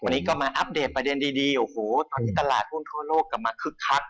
วันนี้มาอัปเดตประดันดีตอนนี้ตลาดภูมิทั่วโลกเกิดมาคึกคัก